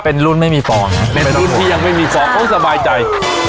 เป็นรุ่นไม่มีฟองเป็นรุ่นที่ยังไม่มีฟองเขาสบายใจ